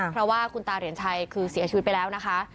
เพราะว่าคุณตาเหรียญชัยคือเสียชีวิตไปแล้วนะคะ